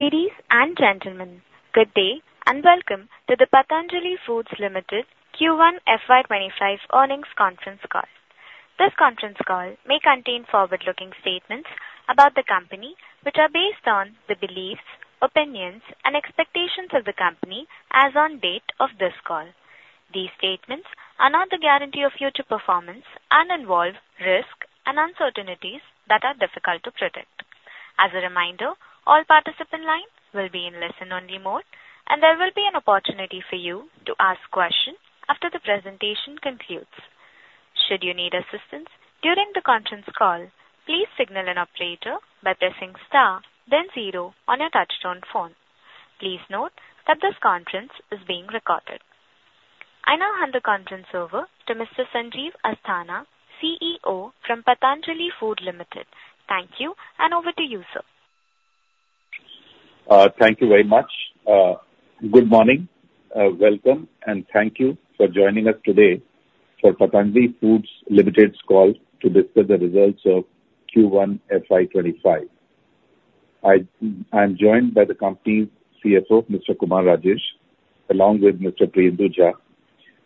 Ladies and gentlemen, good day, and welcome to the Patanjali Foods Limited Q1 FY 2025 earnings conference call. This conference call may contain forward-looking statements about the company, which are based on the beliefs, opinions, and expectations of the company as on date of this call. These statements are not the guarantee of future performance and involve risk and uncertainties that are difficult to predict. As a reminder, all participant lines will be in listen-only mode, and there will be an opportunity for you to ask questions after the presentation concludes. Should you need assistance during the conference call, please signal an operator by pressing star then zero on your touchtone phone. Please note that this conference is being recorded. I now hand the conference over to Mr. Sanjeev Asthana, CEO from Patanjali Foods Limited. Thank you, and over to you, sir. Thank you very much. Good morning. Welcome, and thank you for joining us today for Patanjali Foods Limited's call to discuss the results of Q1 FY 2025. I'm joined by the company's CFO, Mr. Kumar Rajesh, along with Mr. Priyendu Jha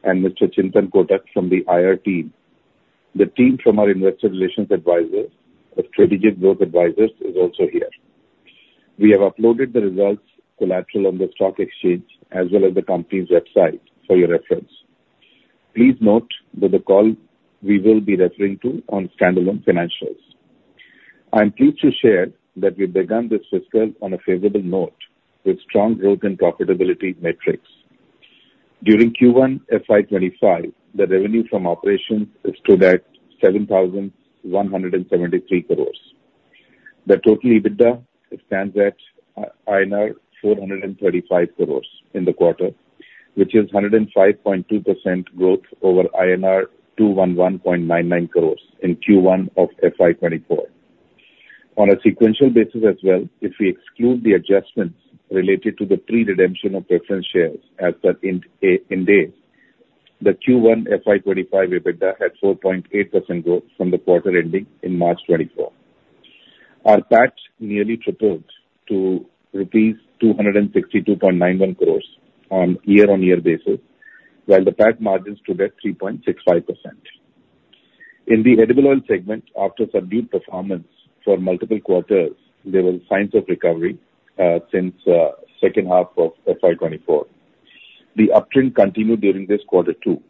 and Mr. Chintan Kotak from the IR team. The team from our investor relations advisor Strategic Growth Advisors is also here. We have uploaded the results collateral on the stock exchange as well as the company's website for your reference. Please note that the call we will be referring to on standalone financials. I'm pleased to share that we've begun this fiscal on a favorable note with strong growth and profitability metrics. During Q1 FY 2025, the revenue from operations stood at 7,173 crore. The total EBITDA stands at INR 435 crores in the quarter, which is 105.2% growth over INR 211.99 crores in Q1 of FY 2024. On a sequential basis as well, if we exclude the adjustments related to the pre-redemption of preference shares as per Ind AS, the Q1 FY 2025 EBITDA had 4.8% growth from the quarter ending in March 2024. Our PAT nearly tripled to rupees 262.91 crores on year-on-year basis, while the PAT margins stood at 3.65%. In the edible oil segment, after subdued performance for multiple quarters, there were signs of recovery, since second half of FY 2024. The uptrend continued during this quarter, too.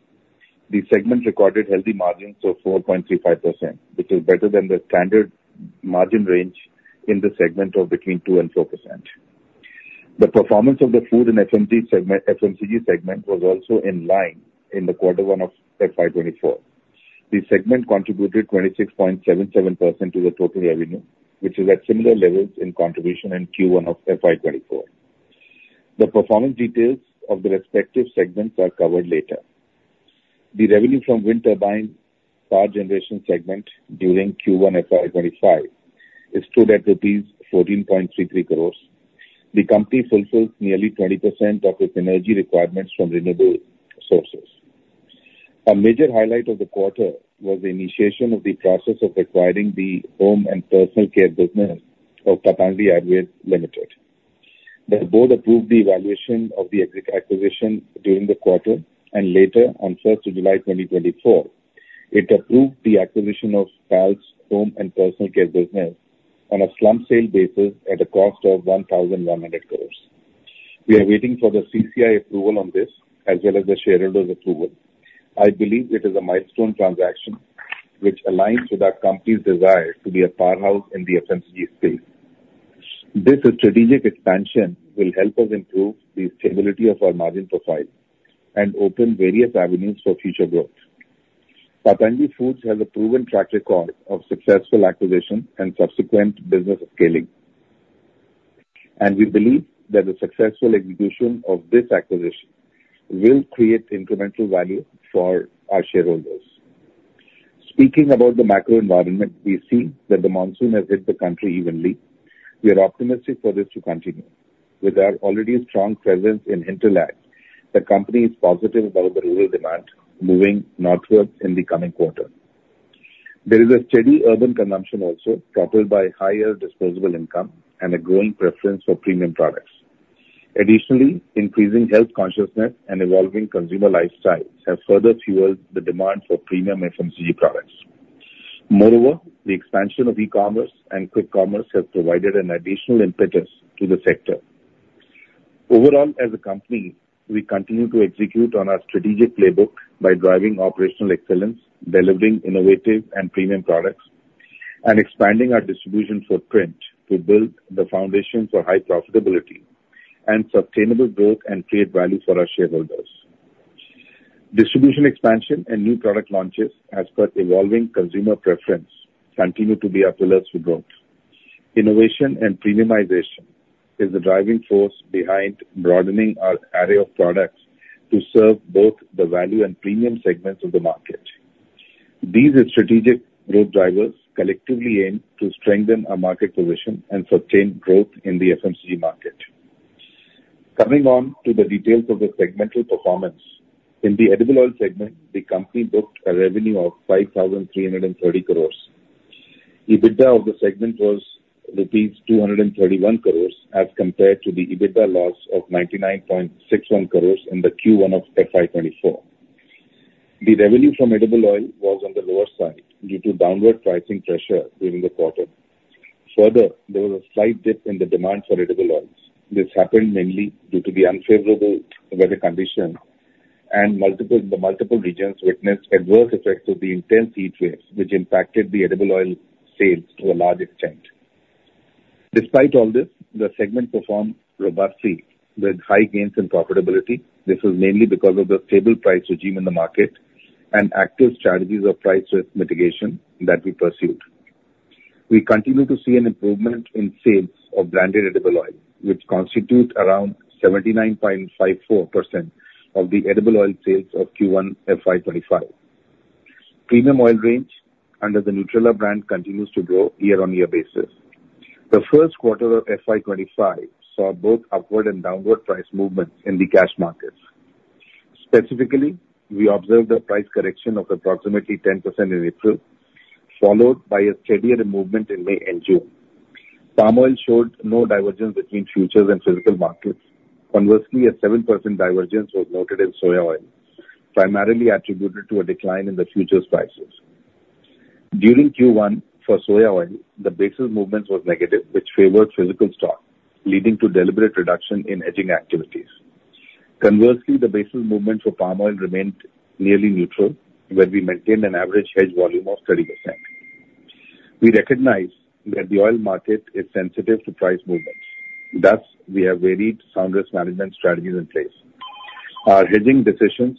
The segment recorded healthy margins of 4.35%, which is better than the standard margin range in the segment of between 2% and 4%. The performance of the food and FMCG segment, FMCG segment, was also in line in quarter one of FY 2024. The segment contributed 26.77% to the total revenue, which is at similar levels in contribution in Q1 of FY 2024. The performance details of the respective segments are covered later. The revenue from wind turbine power generation segment during Q1 FY 2025 stood at rupees 14.33 crores. The company fulfills nearly 20% of its energy requirements from renewable sources. A major highlight of the quarter was the initiation of the process of acquiring the home and personal care business of Patanjali Ayurved Limited. The Board approved the evaluation of the acquisition during the quarter, and later, on first of July 2024, it approved the acquisition of Patanjali's Home and Personal Care business on a slump sale basis at a cost of 1,100 crore. We are waiting for the CCI approval on this, as well as the shareholders' approval. I believe it is a milestone transaction which aligns with our company's desire to be a powerhouse in the FMCG space. This strategic expansion will help us improve the stability of our margin profile and open various avenues for future growth. Patanjali Foods has a proven track record of successful acquisition and subsequent business scaling, and we believe that the successful execution of this acquisition will create incremental value for our shareholders. Speaking about the macro environment, we see that the monsoon has hit the country evenly. We are optimistic for this to continue. With our already strong presence in hinterland, the company is positive about the rural demand moving northward in the coming quarter. There is a steady urban consumption also, propelled by higher disposable income and a growing preference for premium products. Additionally, increasing health consciousness and evolving consumer lifestyles have further fueled the demand for premium FMCG products. Moreover, the expansion of e-commerce and quick commerce has provided an additional impetus to the sector. Overall, as a company, we continue to execute on our strategic playbook by driving operational excellence, delivering innovative and premium products, and expanding our distribution footprint to build the foundation for high profitability and sustainable growth and create value for our shareholders. Distribution expansion and new product launches as per evolving consumer preference continue to be our pillars for growth. Innovation and premiumization is the driving force behind broadening our array of products to serve both the value and premium segments of the market. These strategic growth drivers collectively aim to strengthen our market position and sustain growth in the FMCG market. Coming on to the details of the segmental performance. In the edible oil segment, the company booked a revenue of 5,330 crore. EBITDA of the segment was rupees 231 crore, as compared to the EBITDA loss of 99.61 crore in the Q1 of FY 2024. The revenue from edible oil was on the lower side due to downward pricing pressure during the quarter. Further, there was a slight dip in the demand for edible oils. This happened mainly due to the unfavorable weather conditions and multiple regions witnessed adverse effects of the intense heat waves, which impacted the edible oil sales to a large extent. Despite all this, the segment performed robustly with high gains in profitability. This is mainly because of the stable price regime in the market and active strategies of price risk mitigation that we pursued. We continue to see an improvement in sales of branded edible oil, which constitute around 79.54% of the edible oil sales of Q1 FY 2025. Premium oil range under the Nutrela brand continues to grow year-on-year basis. The first quarter of FY 2025 saw both upward and downward price movements in the cash markets. Specifically, we observed a price correction of approximately 10% in April, followed by a steadier movement in May and June. Palm oil showed no divergence between futures and physical markets. Conversely, a 7% divergence was noted in soya oil, primarily attributed to a decline in the futures prices. During Q1 for soya oil, the basis movement was negative, which favored physical stock, leading to deliberate reduction in hedging activities. Conversely, the basis movement for palm oil remained nearly neutral, where we maintained an average hedge volume of 30%. We recognize that the oil market is sensitive to price movements, thus we have varied sound risk management strategies in place. Our hedging decisions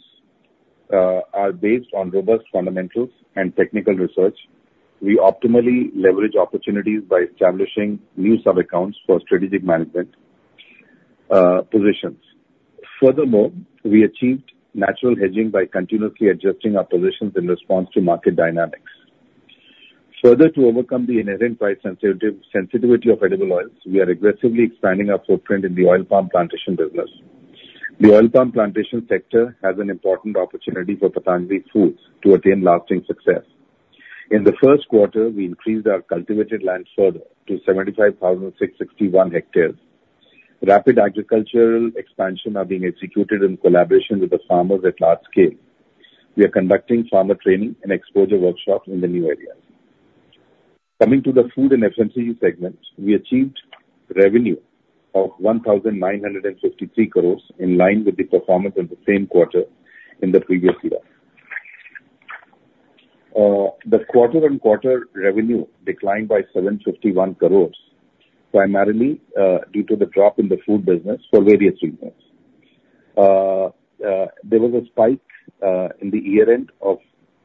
are based on robust fundamentals and technical research. We optimally leverage opportunities by establishing new subaccounts for strategic management positions. Furthermore, we achieved natural hedging by continuously adjusting our positions in response to market dynamics. Further, to overcome the inherent price sensitivity of edible oils, we are aggressively expanding our footprint in the oil palm plantation business. The oil palm plantation sector has an important opportunity for Patanjali Foods to attain lasting success. In the first quarter, we increased our cultivated land further to 75,661 ha. Rapid agricultural expansion are being executed in collaboration with the farmers at large scale. We are conducting farmer training and exposure workshops in the new areas. Coming to the Food and FMCG segment, we achieved revenue of 1,953 crores, in line with the performance of the same quarter in the previous year. The quarter-on-quarter revenue declined by 751 crores, primarily due to the drop in the food business for various reasons. There was a spike in the year-end to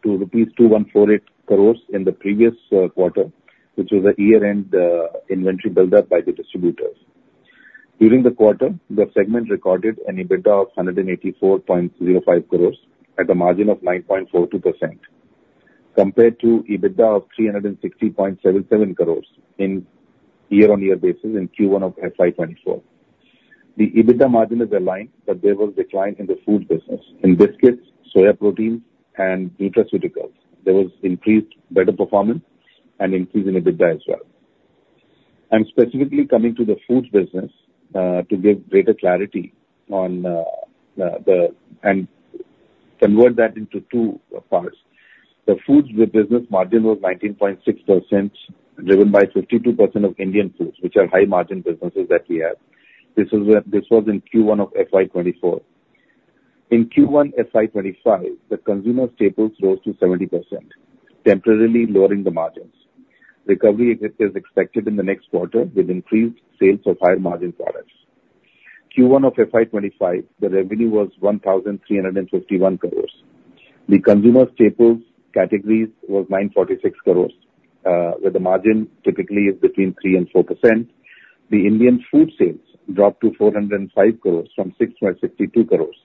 2,148 crores in the previous quarter, which was a year-end inventory build-up by the distributors. During the quarter, the segment recorded an EBITDA of 184.05 crores at a margin of 9.42%, compared to EBITDA of 360.77 crores on a year-on-year basis in Q1 of FY 2024. The EBITDA margin is aligned, but there was decline in the food business. In biscuits, soya protein and nutraceuticals, there was increased better performance and increase in EBITDA as well. I'm specifically coming to the foods business to give greater clarity on, convert that into two parts. The Foods business margin was 19.6%, driven by 52% of Indian foods, which are high margin businesses that we have. This is where. This was in Q1 of FY 2024. In Q1 FY 2025, the consumer staples rose to 70%, temporarily lowering the margins. Recovery is expected in the next quarter with increased sales of higher margin products. Q1 of FY 2025, the revenue was 1,351 crores. The consumer staples categories was 946 crores, where the margin typically is between 3% and 4%. The Indian food sales dropped to 405 crores from 662 crores,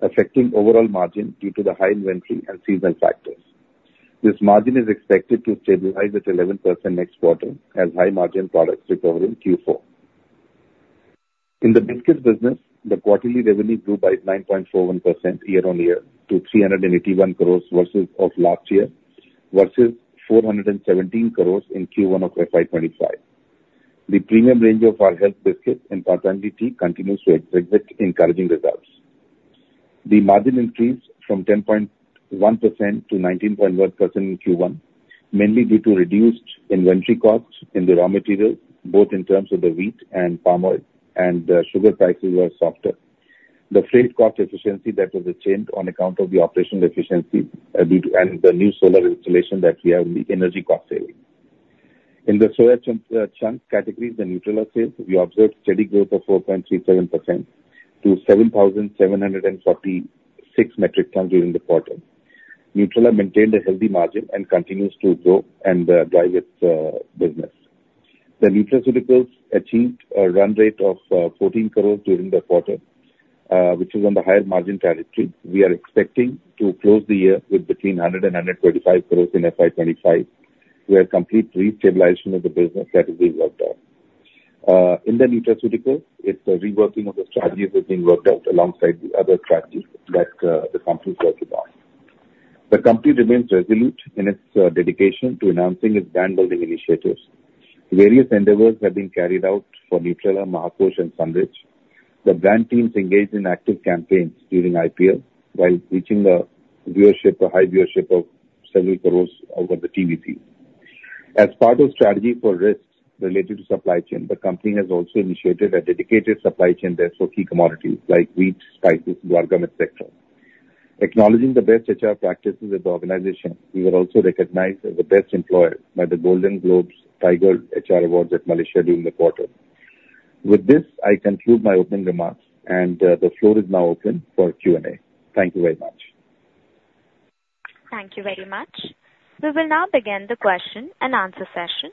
affecting overall margin due to the high inventory and seasonal factors. This margin is expected to stabilize at 11% next quarter as high margin products recover in Q4. In the biscuits business, the quarterly revenue grew by 9.41% year-on-year to 381 crore versus of last year, versus 417 crore in Q1 of FY 2025. The premium range of our health biscuits and Patanjali tea continues to exhibit encouraging results. The margin increased from 10.1% to 19.1% in Q1, mainly due to reduced inventory costs in the raw materials, both in terms of the wheat and palm oil, and the sugar prices were softer. The freight cost efficiency that was attained on account of the operational efficiency, due to and the new solar installation that we have in the energy cost saving. In the soya chunk categories, the Nutrela sales, we observed steady growth of 4.37% to 7,746 metric tons during the quarter. Nutrela maintained a healthy margin and continues to grow and drive its business. The nutraceuticals achieved a run rate of 14 crore during the quarter, which is on the higher margin trajectory. We are expecting to close the year with between 100 crore and 125 crore in FY 2025, where complete restabilization of the business that is being worked on. In the nutraceuticals, it's a reworking of the strategies that are being worked out alongside the other strategies that the company is working on. The company remains resolute in its dedication to enhancing its brand building initiatives. Various endeavors have been carried out for Nutrela, Mahakosh, and Sunrich. The brand teams engaged in active campaigns during IPL, while reaching a viewership, a high viewership of several crores over the TVC. As part of strategy for risks related to supply chain, the company has also initiated a dedicated supply chain there for key commodities like wheat, spices, guar gum, et cetera. Acknowledging the best HR practices at the organization, we were also recognized as the best employer by the Golden Globe Tigers HR Awards in Malaysia during the quarter. With this, I conclude my opening remarks, and the floor is now open for Q&A. Thank you very much. Thank you very much. We will now begin the question and answer session.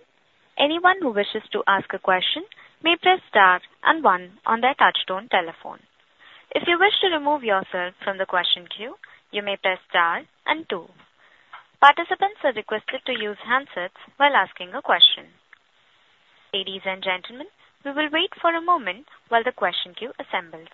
Anyone who wishes to ask a question may press star and one on their touchtone telephone. If you wish to remove yourself from the question queue, you may press star and two. Participants are requested to use handsets while asking a question. Ladies and gentlemen, we will wait for a moment while the question queue assembles.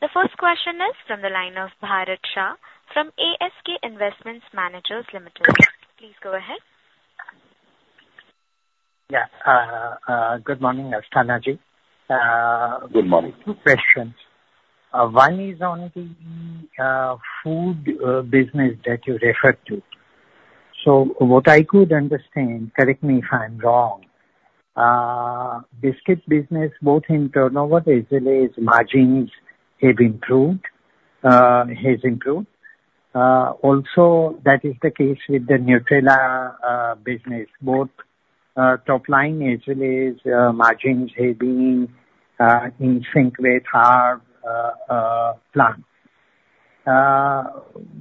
The first question is from the line of Bharat Shah from ASK Investment Managers Limited. Please go ahead. Yeah. Good morning, Asthana Ji. Good morning. Two questions. One is on the food business that you referred to. So what I could understand, correct me if I'm wrong, biscuit business, both in turnover as well as margins, have improved, has improved. Also, that is the case with the Nutrela business. Both top line as well as margins have been in sync with our plan.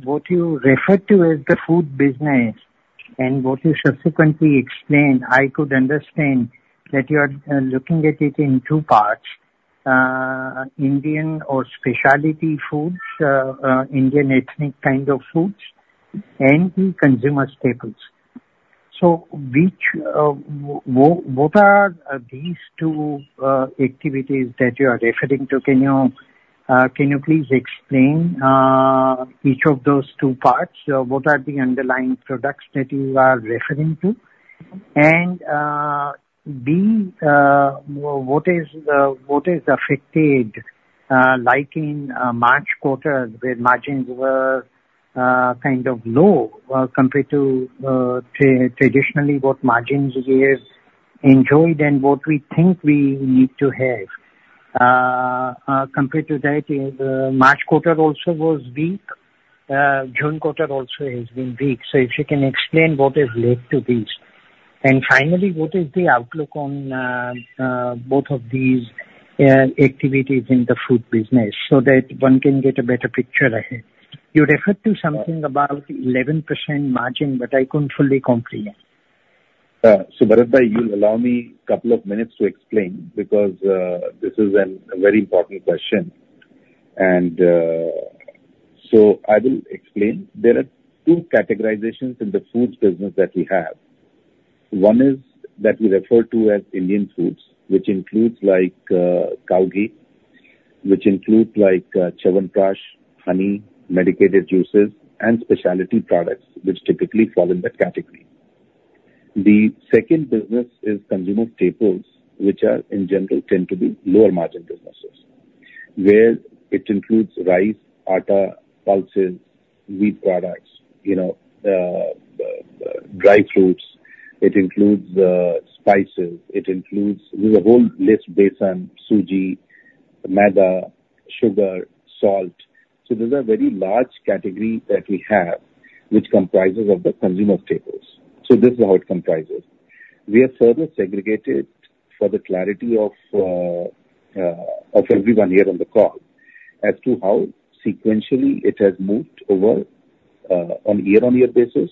What you referred to as the food business and what you subsequently explained, I could understand that you are looking at it in two parts, Indian or specialty foods, Indian ethnic kind of foods, and the consumer staples. So which, what are these two activities that you are referring to? Can you please explain each of those two parts? What are the underlying products that you are referring to? And what is affected, like in March quarter, where margins were kind of low, compared to traditionally what margins we have enjoyed and what we think we need to have? Compared to that, the March quarter also was weak. June quarter also has been weak. So if you can explain what has led to this. And finally, what is the outlook on both of these activities in the food business so that one can get a better picture ahead? You referred to something about 11% margin, but I couldn't fully comprehend. So Bharat, you'll allow me a couple of minutes to explain, because this is a very important question. So I will explain. There are two categorizations in the foods business that we have. One is that we refer to as Indian foods, which includes like cow ghee, which include like chyawanprash, honey, medicated juices, and specialty products, which typically fall in that category. The second business is Consumer Staples, which are in general tend to be lower margin businesses, where it includes rice, atta, pulses, wheat products, you know, dry fruits. It includes spices. It includes... There's a whole list, besan, suji, maida, sugar, salt. So these are very large category that we have, which comprises of the consumer staples. So this is how it comprises. We have further segregated for the clarity of, of everyone here on the call as to how sequentially it has moved over, on year-on-year basis,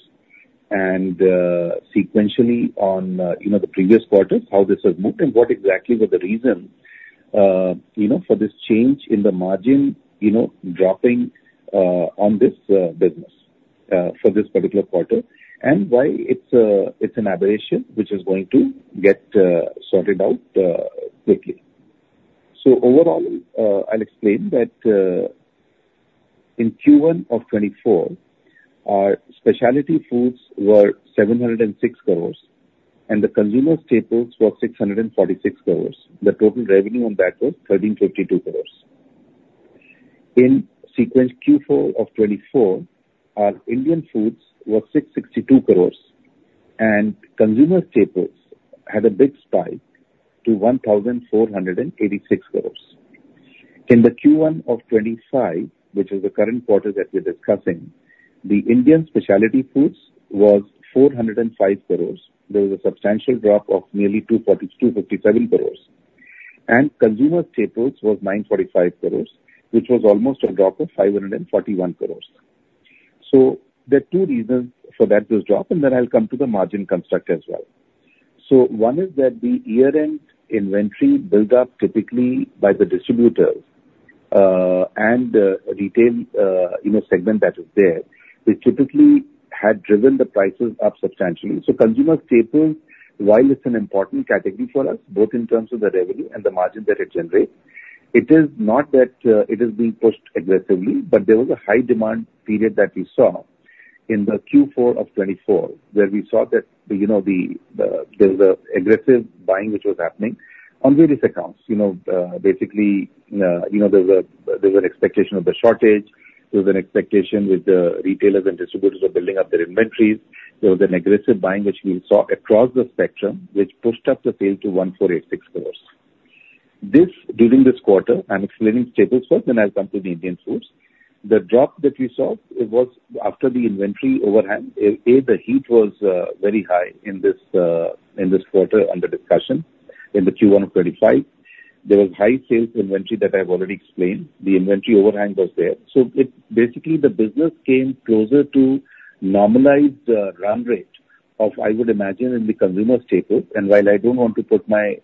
and, sequentially on, you know, the previous quarters, how this has moved and what exactly were the reasons, you know, for this change in the margin, you know, dropping, on this, business, for this particular quarter, and why it's a, it's an aberration which is going to get, sorted out, quickly. So overall, I'll explain that, in Q1 of 2024, our Specialty foods were 706 crores, and the Consumer staples were 646 crores. The total revenue on that was 1,352 crores. In Q4 of 2024, our Indian foods were 662 crore, and Consumer staples had a big spike to 1,486 crore. In the Q1 of 2025, which is the current quarter that we're discussing, the Indian specialty foods was 405 crore. There was a substantial drop of nearly 257 crore, and consumer staples was 945 crore, which was almost a drop of 541 crore. So there are two reasons for that, those drops, and then I'll come to the margin construct as well. So one is that the year-end inventory build up, typically by the distributors, and retail, you know, segment that is there, which typically had driven the prices up substantially. So consumer staples, while it's an important category for us, both in terms of the revenue and the margin that it generates, it is not that it is being pushed aggressively, but there was a high demand period that we saw in the Q4 of 2024, where we saw that, you know, the, the, there was an aggressive buying which was happening on various accounts. You know, basically, you know, there was a, there was an expectation of the shortage. There was an expectation with the retailers and distributors of building up their inventories. There was an aggressive buying, which we saw across the spectrum, which pushed up the sales to 1,486 crores. This, during this quarter, I'm explaining staples first, then I'll come to the Indian foods. The drop that we saw, it was after the inventory overhang. The heat was very high in this quarter under discussion, in the Q1 of 2025. There was high sales inventory that I've already explained. The inventory overhang was there. So it basically, the business came closer to normalized run rate of, I would imagine, in the consumer staples. And while I don't want to put my,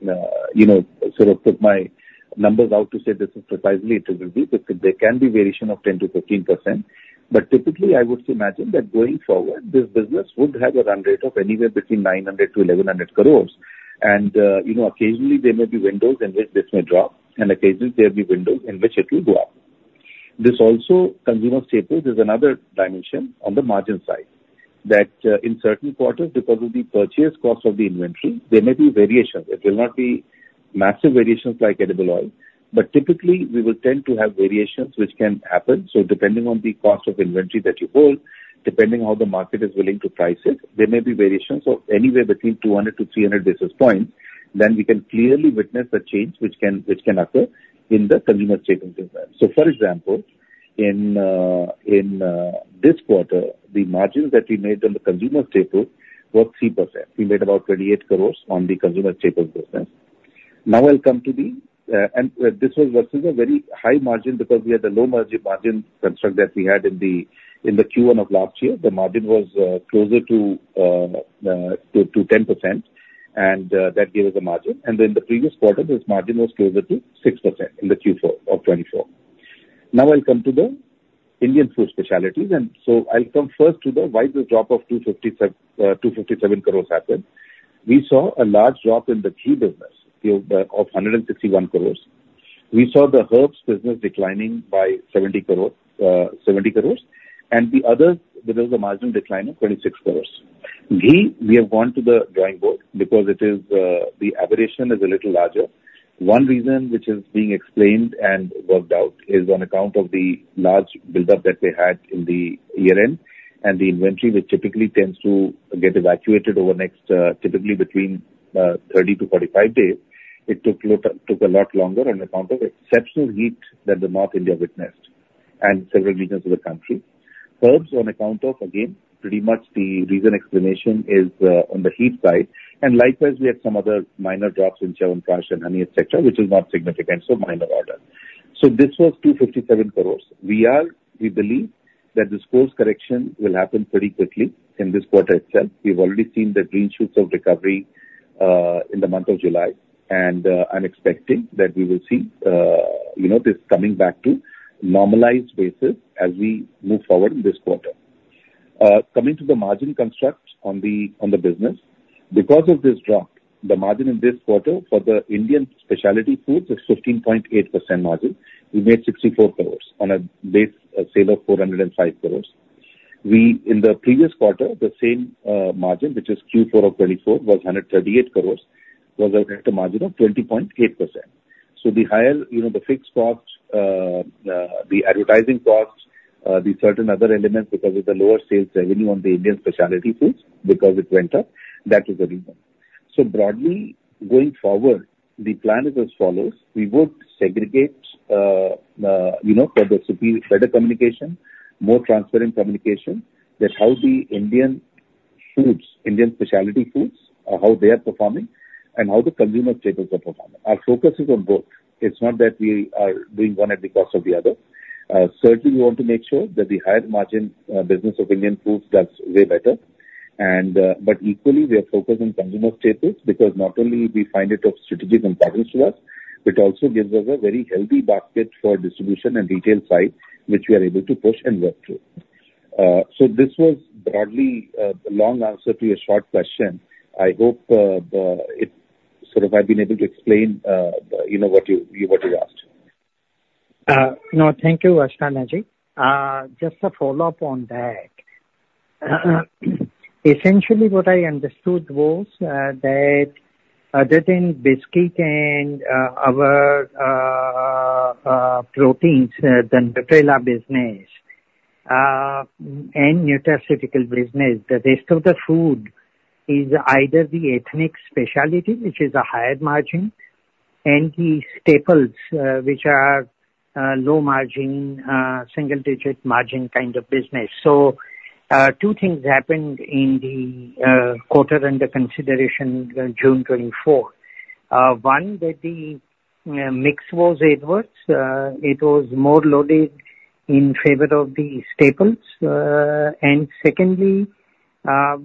you know, sort of put my numbers out to say this is precisely it will be, there can be variation of 10%-15%. But typically, I would imagine that going forward, this business would have a run rate of anywhere between 900 crores- 1,100 crores. And, you know, occasionally there may be windows in which this may drop, and occasionally there'll be windows in which it will go up. This also, consumer staples, is another dimension on the margin side, that, in certain quarters, because of the purchase cost of the inventory, there may be variations. It will not be massive variations like edible oil, but typically we will tend to have variations which can happen. So depending on the cost of inventory that you hold, depending how the market is willing to price it, there may be variations of anywhere between 200 basis points-300 basis points. Then we can clearly witness a change which can, which can occur in the consumer staples as well. So for example, in, in, this quarter, the margin that we made on the consumer staples was 3%. We made about 28 crore on the consumer staples business. Now I'll come to the and this was versus a very high margin because we had a low margin, margin construct that we had in the in the Q1 of last year. The margin was closer to 10%, and that gave us a margin. And in the previous quarter, this margin was closer to 6% in the Q4 of 2024. Now I'll come to the Indian food specialties, and so I'll come first to the why the drop of 257 crores happened. We saw a large drop in the ghee business of 161 crores. We saw the herbs business declining by 70 crore, 70 crores, and the other, there is a marginal decline of 26 crores. Ghee, we have gone to the drawing board because it is the aberration is a little larger. One reason which is being explained and worked out is on account of the large buildup that we had in the year-end, and the inventory, which typically tends to get evacuated over next, typically between 30 days to 45 days. It took took a lot longer on account of exceptional heat that the North India witnessed and several regions of the country. Herbs, on account of, again, pretty much the reason explanation is on the heat side, and likewise, we had some other minor drops in Chyawanprash and honey, et cetera, which is not significant, so minor order. So this was 257 crore. We believe that this course correction will happen pretty quickly in this quarter itself. We've already seen the green shoots of recovery in the month of July, and I'm expecting that we will see, you know, this coming back to normalized basis as we move forward in this quarter. Coming to the margin construct on the business. Because of this drop, the margin in this quarter for the Indian specialty foods is 15.8% margin. We made 64 crore on a base, a sale of 405 crore. We, in the previous quarter, the same margin, which is Q4 of 2024, was 138 crore, was at a margin of 20.8%. So the higher, you know, the fixed costs, the advertising costs, the certain other elements, because of the lower sales revenue on the Indian specialty foods, because it went up, that is the reason. So broadly, going forward, the plan is as follows: We would segregate, you know, for the better communication, more transparent communication, that how the Indian foods, Indian specialty foods, how they are performing and how the consumer staples are performing. Our focus is on both. It's not that we are doing one at the cost of the other. Certainly, we want to make sure that the higher margin business of Indian foods does way better. And, but equally, we are focused on consumer staples, because not only we find it of strategic importance to us, it also gives us a very healthy basket for distribution and retail side, which we are able to push and work through. So this was broadly, the long answer to your short question. I hope, the, it... sort of, I've been able to explain, you know, what you asked. No, thank you, Asthana Ji. Just a follow-up on that. Essentially, what I understood was that other than biscuits and our proteins, the Nutrela business, and nutraceutical business, the rest of the food is either the ethnic specialty, which is a higher margin, and the staples, which are low margin, single digit margin kind of business. So, two things happened in the quarter under consideration, June 2024. One, that the mix was adverse. It was more loaded in favor of the staples. And secondly,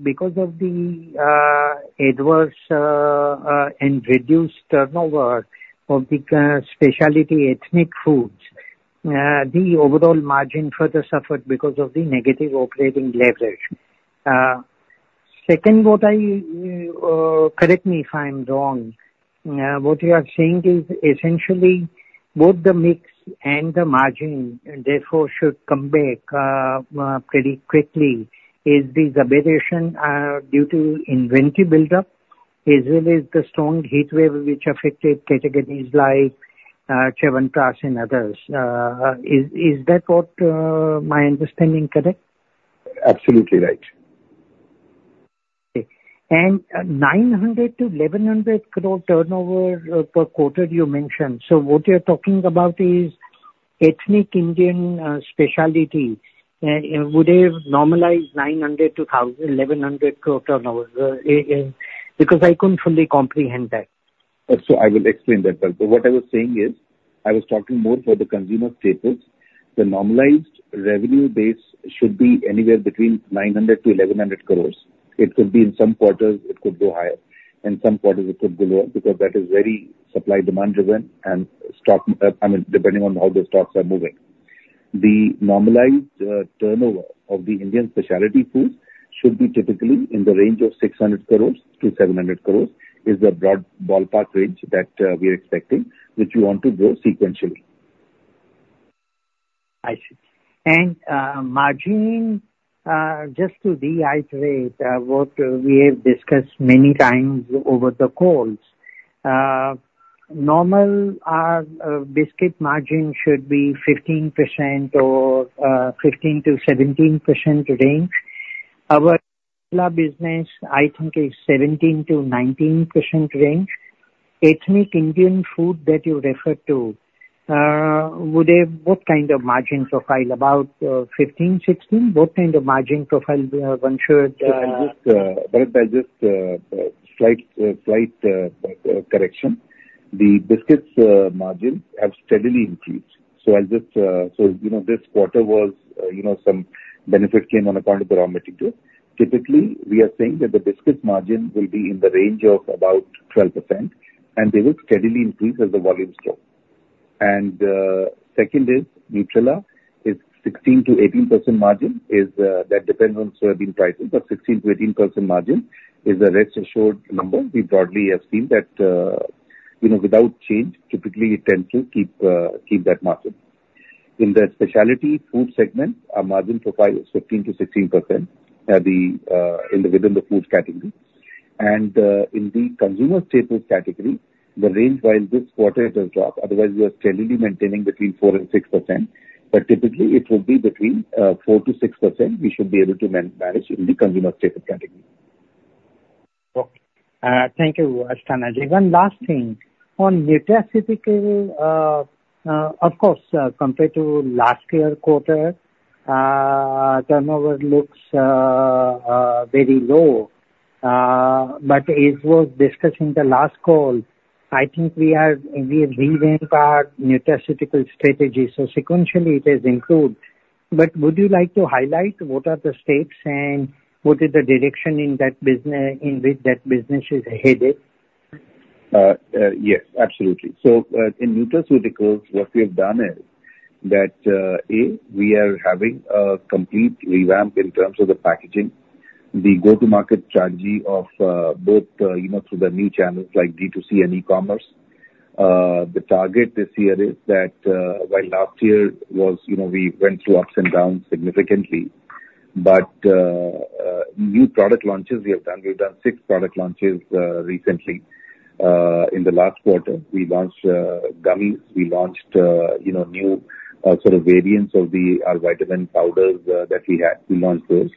because of the adverse and reduced turnover of the specialty ethnic foods, the overall margin further suffered because of the negative operating leverage. Second, what I... Correct me if I'm wrong, what you are saying is essentially both the mix and the margin therefore should come back pretty quickly. Is this aberration due to inventory buildup? Is it the strong heat wave which affected categories like Chyawanprash and others? Is that what my understanding correct? Absolutely right. 900 crore-1,100 crore turnover per quarter you mentioned. So what you're talking about is ethnic Indian, specialty, and would have normalized 900 crore-1,100 crore turnover, because I couldn't fully comprehend that. I will explain that. But what I was saying is, I was talking more for the consumer staples. The normalized revenue base should be anywhere between 900 crore-1,100 crore. It could be in some quarters, it could go higher, in some quarters it could go lower, because that is very supply demand driven and stock, I mean, depending on how the stocks are moving. The normalized turnover of the Indian specialty foods should be typically in the range of 600 crore-700 crore, is the broad ballpark range that we are expecting, which we want to grow sequentially. I see. And, margin, just to reiterate, what we have discussed many times over the calls, normal, biscuit margin should be 15% or, 15%-17% range. Our business, I think, is 17%-19% range. Ethnic Indian food that you referred to, would have what kind of margin profile? About, 15%, 16%? What kind of margin profile one should- Slight correction. The biscuits margin have steadily increased. So, you know, this quarter was, you know, some benefit came on account of the raw material. Typically, we are saying that the biscuits margin will be in the range of about 12%, and they would steadily increase as the volumes grow. And second is, Nutrela is 16%-18% margin is, that depends on soybean prices, but 16%-18% margin is a registered number. We broadly have seen that, you know, without change, typically it tends to keep that margin. In the specialty food segment, our margin profile is 15%-16%, within the food category. In the consumer staples category, the range, while this quarter it has dropped, otherwise we are steadily maintaining between 4% and 6%, but typically it will be between 4%-6% we should be able to manage in the consumer staples category. Okay. Thank you, Asthana Ji. One last thing. On nutraceutical, of course, compared to last year quarter, turnover looks very low. But as was discussed in the last call, I think we are, we have revamped our nutraceutical strategy, so sequentially it has improved. But would you like to highlight what are the steps and what is the direction in that business in which that business is headed? Yes, absolutely. So, in nutraceuticals, what we have done is that, we are having a complete revamp in terms of the packaging. The go-to-market strategy of, both, you know, through the new channels like D2C and e-commerce. The target this year is that, while last year was, you know, we went through ups and downs significantly, but, new product launches we have done. We've done six product launches, recently. In the last quarter, we launched, gummies, we launched, you know, new, sort of variants of the, our vitamin powders, that we had, we launched those.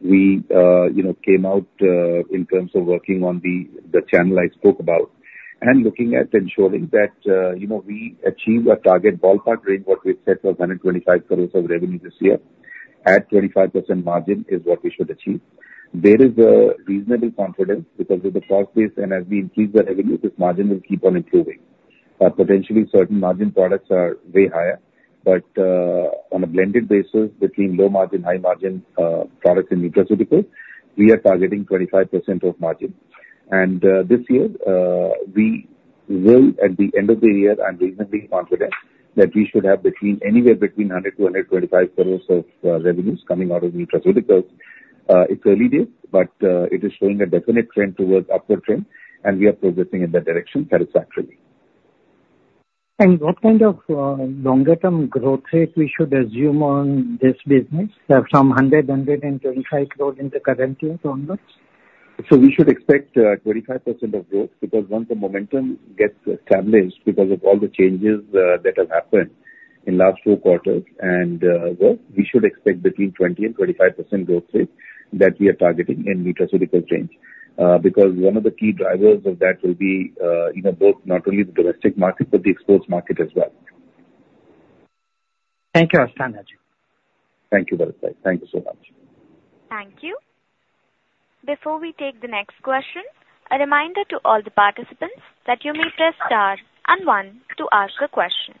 We, you know, came out, in terms of working on the, the channel I spoke about and looking at ensuring that, you know, we achieve our target ballpark range, what we've set for 125 crore of revenue this year, at 25% margin is what we should achieve. There is a reasonable confidence, because of the cost base and as we increase the revenue, this margin will keep on improving. Potentially certain margin products are way higher, but, on a blended basis between low margin, high margin, products in nutraceuticals, we are targeting 25% of margin. And, this year, we will, at the end of the year, I'm reasonably confident that we should have between, anywhere between 100 crore-125 crore of, revenues coming out of nutraceuticals. It's early days, but it is showing a definite trend towards upward trend, and we are progressing in that direction satisfactorily. What kind of longer term growth rate we should assume on this business? From 125 crore in the current year onwards? So we should expect 25% of growth, because once the momentum gets established, because of all the changes that have happened in last two quarters, and, well, we should expect between 20% and 25% growth rate that we are targeting in nutraceuticals range. Because one of the key drivers of that will be, you know, both not only the domestic market, but the export market as well. Thank you, Asthana Ji. Thank you very much. Thank you so much. Thank you. Before we take the next question, a reminder to all the participants that you may press star and one to ask a question.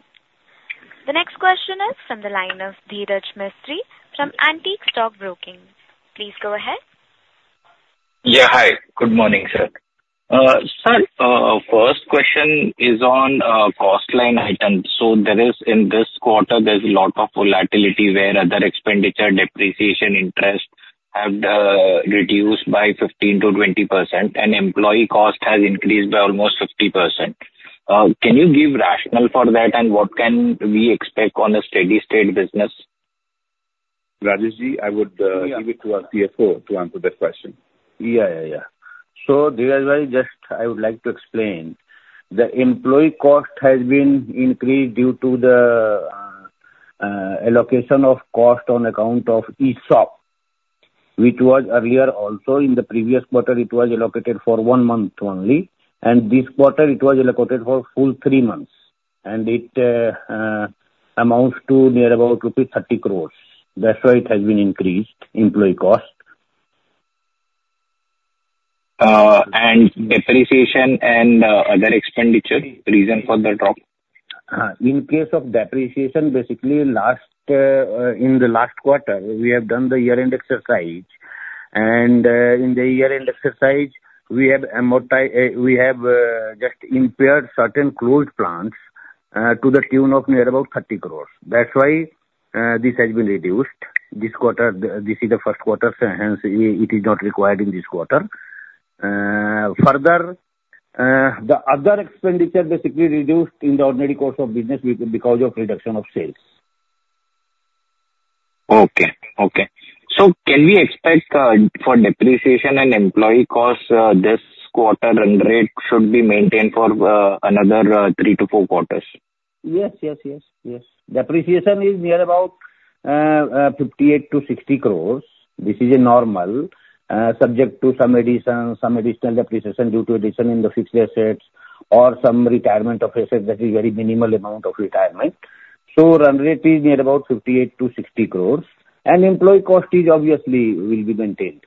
The next question is from the line of Dhiraj Mistry from Antique Stock Broking. Please go ahead. Yeah, hi. Good morning, sir. Sir, first question is on cost line items. So there is, in this quarter, there's a lot of volatility where other expenditure, depreciation, interest have reduced by 15%-20%, and employee cost has increased by almost 50%. Can you give rationale for that, and what can we expect on a steady state business? Rajesh Ji, I would give it to our CFO to answer that question. Yeah, yeah, yeah. So Dhiraj Ji, just I would like to explain. The employee cost has been increased due to the allocation of cost on account of ESOP, which was earlier also in the previous quarter, it was allocated for one month only, and this quarter it was allocated for full three months, and it amounts to near about rupees 30 crore. That's why it has been increased, employee cost. Depreciation and other expenditure, reason for the drop? In case of depreciation, basically, in the last quarter, we have done the year-end exercise, and, in the year-end exercise, we have just impaired certain closed plants to the tune of near about 30 crore. That's why, this has been reduced. This quarter, this is the first quarter, so hence it is not required in this quarter. Further, the other expenditure basically reduced in the ordinary course of business because of reduction of sales. Okay, okay. So can we expect, for depreciation and employee costs, this quarter run rate should be maintained for, another, three to four quarters? Yes, yes, yes, yes. Depreciation is near about 58 crore-60 crore. This is a normal, subject to some addition, some additional depreciation due to addition in the fixed assets or some retirement of assets. That is very minimal amount of retirement. So run rate is near about 58 crore-60 crore, and employee cost is obviously will be maintained.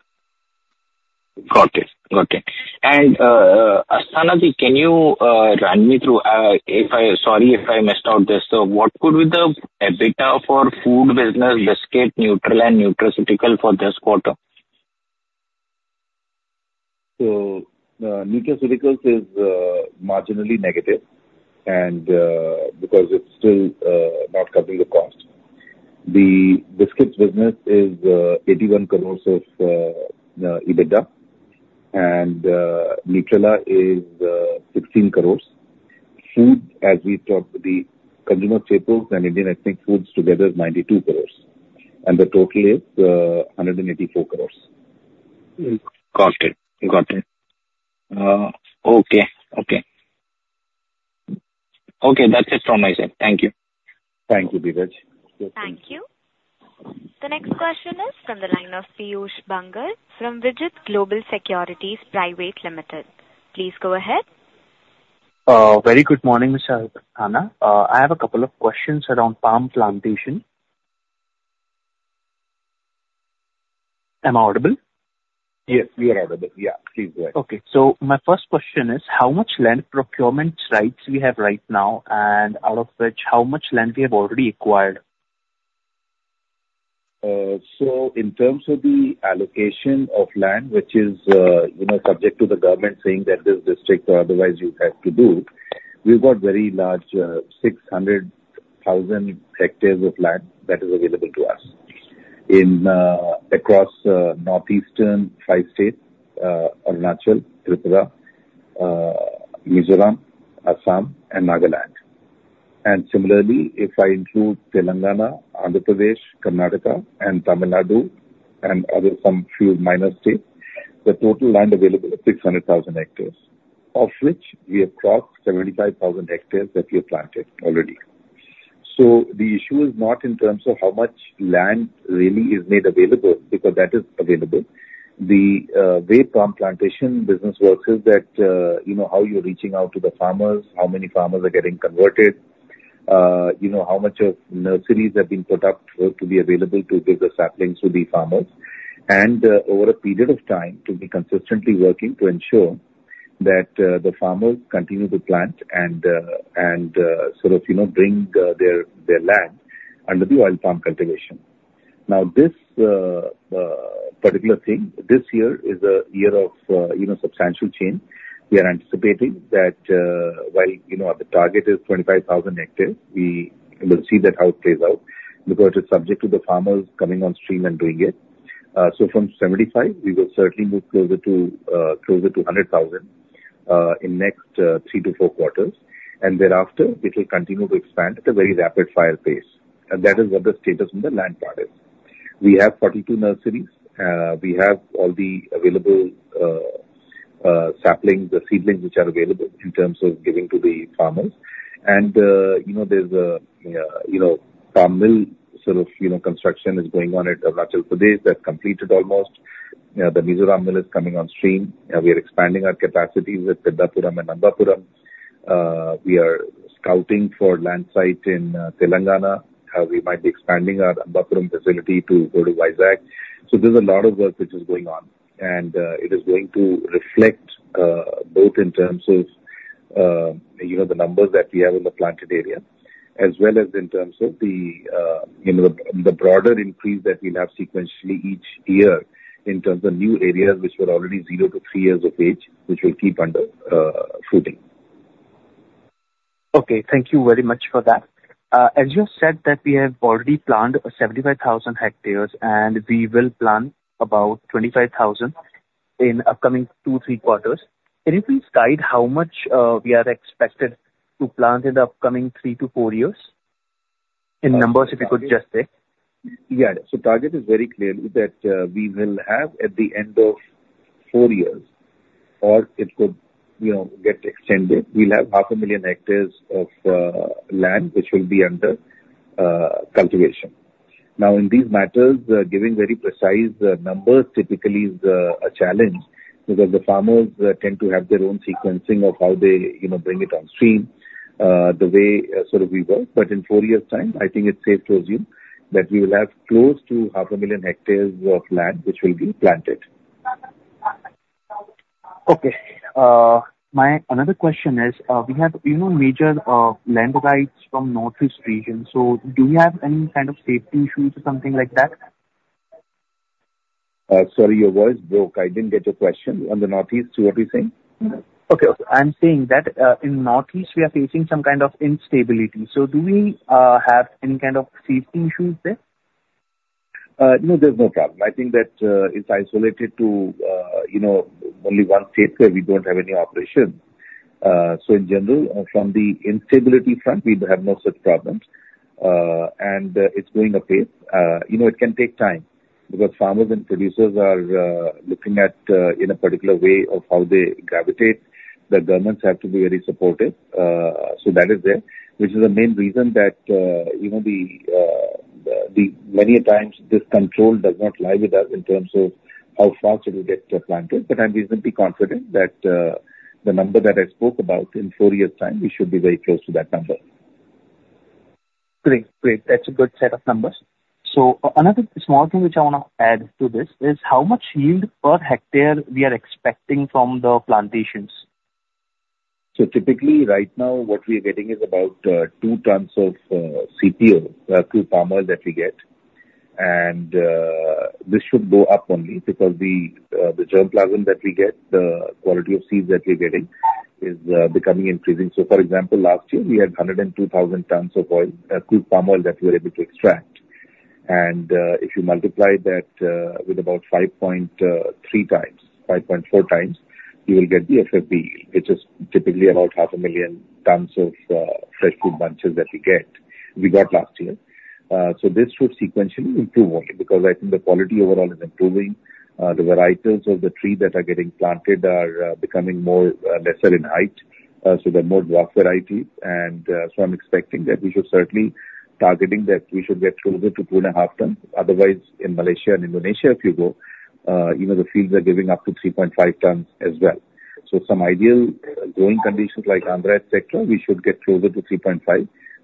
Got it. Got it. And, Asthana Ji, can you run me through if I... Sorry, if I missed out this. So what could be the EBITDA for food business, biscuits, Nutrela, and nutraceutical for this quarter? So, nutraceuticals is marginally negative, and because it's still not covering the cost. The biscuits business is 81 crores of EBITDA, and Nutrela is 16 crores. Food, as we talked, the consumer staples and Indian ethnic foods together is 92 crores, and the total is 184 crores. Got it. Got it. Okay, okay. Okay, that's it from my side. Thank you. Thank you, Dhiraj. Thank you. The next question is from the line of Piyush Bangar from Vijit Global Securities Private Limited. Please go ahead. Very good morning, Mr. Asthana. I have a couple of questions around palm plantation. Am I audible? Yes, we are audible. Yeah, please go ahead. Okay. My first question is: How much land procurement sites we have right now, and out of which, how much land we have already acquired? So in terms of the allocation of land, which is, you know, subject to the government saying that this district or otherwise you have to do, we've got very large, 600,000 ha of land that is available to us. In across northeastern five states, Arunachal, Tripura, Mizoram, Assam, and Nagaland. Similarly, if I include Telangana, Andhra Pradesh, Karnataka, and Tamil Nadu, and other, some few minor states, the total land available is 600,000 ha, of which we acquired 75,000 ha that we have planted already. So the issue is not in terms of how much land really is made available, because that is available. The way palm plantation business works is that, you know, how you're reaching out to the farmers, how many farmers are getting converted, you know, how much of nurseries have been produced to be available to give the saplings to the farmers, and, over a period of time, to be consistently working to ensure that the farmers continue to plant and, sort of, you know, bring their land under the oil palm cultivation. Now, this particular thing, this year is a year of, you know, substantial change. We are anticipating that, while, you know, the target is 25,000 ha, we will see that how it plays out, because it's subject to the farmers coming on stream and doing it. So from 75,000 ha we will certainly move closer to closer to 100,000 ha in next 3 quarters-4 quarters, and thereafter, it will continue t`o expand at a very rapid fire pace. And that is what the status in the land part is. We have 42 nurseries. We have all the available saplings, the seedlings, which are available in terms of giving to the farmers. And you know, there's a you know, palm oil sort of, you know, construction is going on at Arunachal Pradesh. That's completed almost.... Yeah, the Mizoram mill is coming on stream. We are expanding our capacity with Peddapuram and Ampapuram. We are scouting for land site in Telangana. We might be expanding our Ampapuram facility to go to Vizag. So there's a lot of work which is going on, and, it is going to reflect, both in terms of, you know, the numbers that we have in the planted area, as well as in terms of the, you know, the, the broader increase that we'll have sequentially each year in terms of new areas which were already 0-3 years of age, which will keep under, fruiting. Okay, thank you very much for that. As you said, that we have already planned 75,000 ha, and we will plan about 25,000 ha in upcoming 2 quarters, 3 quarters. Can you please guide how much we are expected to plant in the upcoming 3 years-4 years? In numbers, if you could just say. Yeah. So target is very clear that we will have at the end of four years, or it could, you know, get extended. We'll have 500,000 ha of land which will be under cultivation. Now, in these matters, giving very precise numbers typically is a challenge because the farmers tend to have their own sequencing of how they, you know, bring it on stream, the way sort of we work. But in four years' time, I think it's safe to assume that we will have close to 500,000 ha of land which will be planted. Okay. My another question is, we have, you know, major land rights from Northeast region. So do we have any kind of safety issues or something like that? Sorry, your voice broke. I didn't get your question. On the Northeast, what are you saying? Okay. I'm saying that, in Northeast, we are facing some kind of instability. So do we have any kind of safety issues there? No, there's no problem. I think that, it's isolated to, you know, only one state where we don't have any operations. So in general, from the instability front, we have no such problems, and it's going okay. You know, it can take time because farmers and producers are, looking at, in a particular way of how they gravitate. The governments have to be very supportive. So that is there, which is the main reason that, you know, the, the, many a times this control does not lie with us in terms of how fast it will get planted. But I'm reasonably confident that, the number that I spoke about, in four years' time, we should be very close to that number. Great. Great. That's a good set of numbers. Another small thing which I want to add to this is, how much yield per hectare we are expecting from the plantations? So typically, right now, what we're getting is about 2 tons of CPO, crude palm oil that we get. And this should go up only because the germplasm that we get, the quality of seeds that we're getting is becoming increasing. So, for example, last year we had 102,000 tons of oil, crude palm oil, that we were able to extract. And if you multiply that with about 5.3x, 5.4x, you will get the FFB, which is typically about 500,000 tons of fresh fruit bunches that we get, we got last year. So this should sequentially improve only because I think the quality overall is improving. The varieties of the tree that are getting planted are becoming more lesser in height, so they're more dwarf variety. And so I'm expecting that we should certainly targeting that we should get closer to 2.5 tons. Otherwise, in Malaysia and Indonesia, if you go, you know, the fields are giving up to 3.5 tons as well. So some ideal growing conditions like Andhra, etc., we should get closer to 3.5 tons.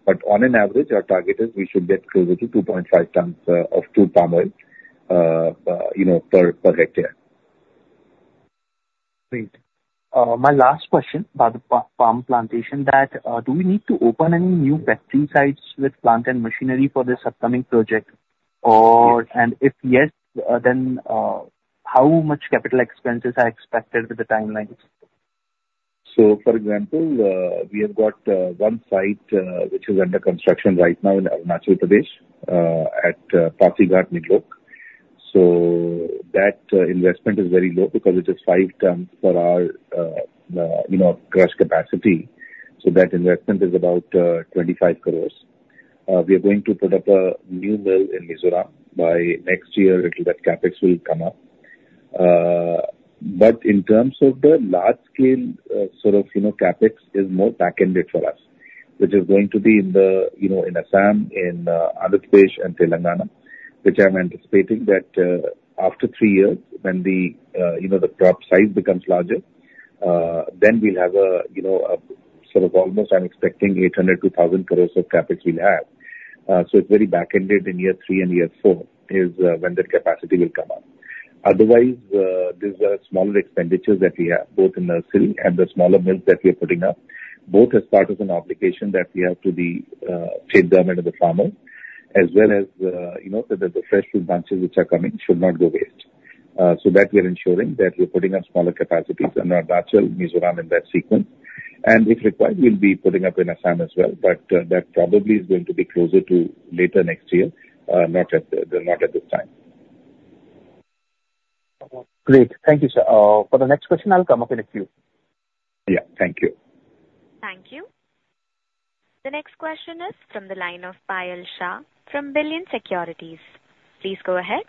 But on an average, our target is we should get closer to 2.5 tons of crude palm oil, you know, per hectare. Great. My last question about the palm plantation, that, do we need to open any new factory sites with plant and machinery for this upcoming project? Or- Yes. If yes, then how much capital expenses are expected with the timelines? So, for example, we have got one site which is under construction right now in Arunachal Pradesh at Pasighat Niglok. So that investment is very low because it is 5x for our you know crush capacity, so that investment is about 25 crore. We are going to put up a new mill in Mizoram. By next year, little that CapEx will come up. But in terms of the large scale sort of you know CapEx is more back-ended for us, which is going to be in the you know in Assam, in Arunachal, and Telangana, which I'm anticipating that after three years, when the you know the crop size becomes larger, then we'll have a you know a sort of almost I'm expecting 800 crore-1,000 crore of CapEx we'll have. So it's very back-ended in year three and year four is when that capacity will come up. Otherwise, these are smaller expenditures that we have, both in Arunachal and the smaller mills that we are putting up, both as part of an obligation that we have to the state government and the farmer, as well as, you know, so that the fresh fruit bunches which are coming should not go waste. So that we are ensuring that we're putting up smaller capacities in Arunachal, Mizoram in that sequence. And if required, we'll be putting up in Assam as well, but that probably is going to be closer to later next year, not at the, not at this time. Great. Thank you, sir. For the next question, I'll come up in a few. Yeah. Thank you. Thank you. The next question is from the line of Payal Shah from Billion Securities. Please go ahead.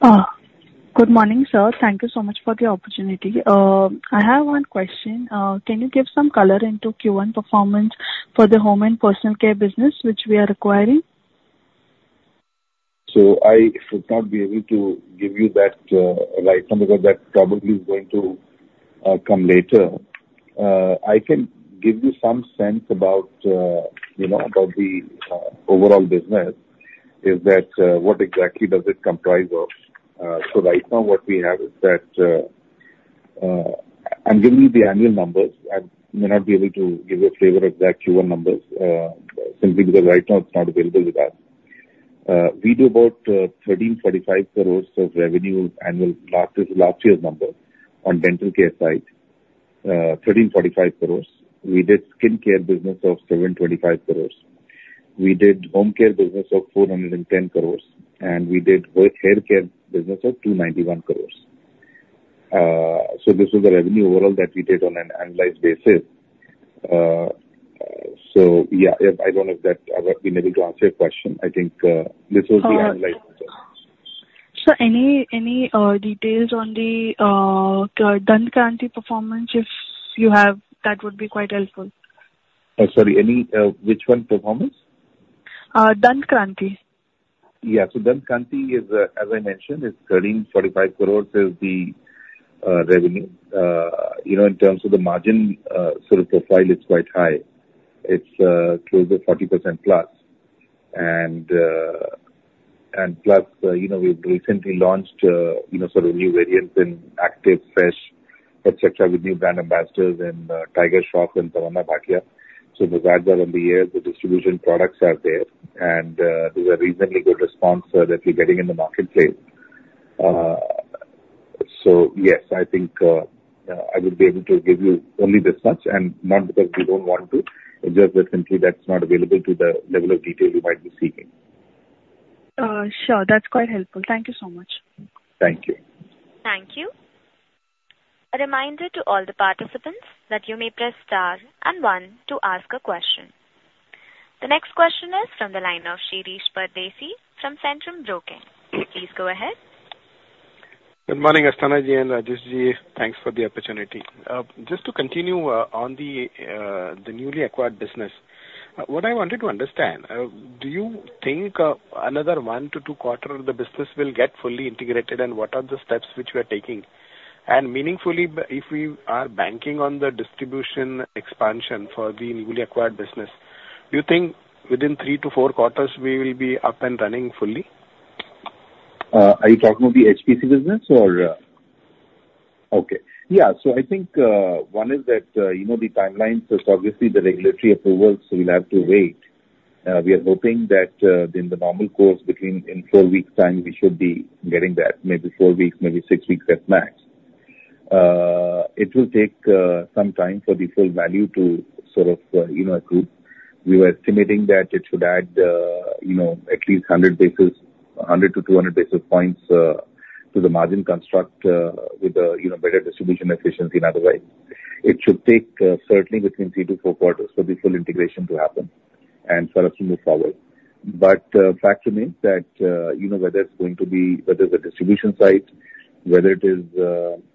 Good morning, sir. Thank you so much for the opportunity. I have one question. Can you give some color into Q1 performance for the home and personal care business, which we are acquiring? So I should not be able to give you that, right now, because that probably is going to come later. I can give you some sense about, you know, about the overall business, is that what exactly does it comprise of? So right now, what we have is that, I'm giving you the annual numbers. I may not be able to give you a flavor of the Q1 numbers, simply because right now it's not available with us. We do about 1,345 crore of revenue annual, last year's number on dental care side. 1,345 crore. We did skin care business of 725 crore. We did home care business of 410 crore, and we did both hair care business of 291 crore. So this is the revenue overall that we did on an annualized basis. So yeah, I don't know if that, I've been able to answer your question. I think, this was the annualized answer. Sir, any details on the Dant Kanti performance, if you have, that would be quite helpful? Sorry, any which one performance? Uh, Dant Kanti. Yeah, so Dant Kanti is, as I mentioned, 1,345 crore is the revenue. You know, in terms of the margin, sort of profile, it's quite high. It's close to 40%+. And plus, you know, we've recently launched, you know, sort of new variants in Active Fresh, et cetera, with new brand ambassadors in Tiger Shroff and Tamannaah Bhatia. So the wider on the year, the distribution products are there, and there's a reasonably good response that we're getting in the marketplace. So yes, I think I would be able to give you only this much, and not because we don't want to. It's just that simply that's not available to the level of detail you might be seeking. Sure. That's quite helpful. Thank you so much. Thank you. Thank you. A reminder to all the participants that you may press star and one to ask a question. The next question is from the line of Shirish Pardeshi from Centrum Broking. Please go ahead. Good morning, Asthana Ji and Rajesh Ji. Thanks for the opportunity. Just to continue on the newly acquired business, what I wanted to understand, do you think another 1 quarters-2 quarters, the business will get fully integrated, and what are the steps which you are taking? And meaningfully, but if we are banking on the distribution expansion for the newly acquired business, do you think within three quarters to four quarters we will be up and running fully? Are you talking about the HPC business or... Okay. Yeah. So I think, one is that, you know, the timelines is obviously the regulatory approvals, so we'll have to wait. We are hoping that, in the normal course, between in four weeks time, we should be getting that. Maybe four weeks, maybe six weeks at max. It will take, some time for the full value to sort of, you know, accrue. We were estimating that it should add, you know, at least 100 basis, 100 basis points-200 basis points, to the margin construct, with, you know, better distribution efficiency, otherwise. It should take, certainly between three quarters to four quarters for the full integration to happen and sort of to move forward. Fact remains that, you know, whether it's going to be, whether it is,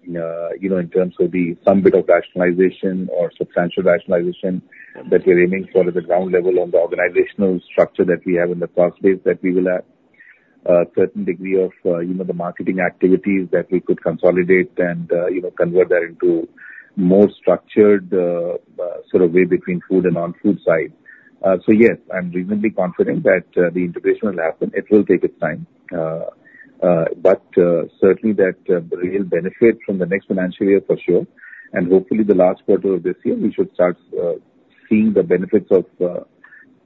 you know, in terms of the some bit of rationalization or substantial rationalization that we're aiming for at the ground level on the organizational structure that we have in the past days, that we will have a certain degree of, you know, the marketing activities that we could consolidate and, you know, convert that into more structured, sort of way between food and non-food side. So yes, I'm reasonably confident that the integration will happen. It will take its time, but certainly that we will benefit from the next financial year for sure. Hopefully the last quarter of this year, we should start seeing the benefits of,